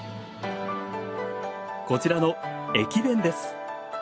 こちらの駅弁です。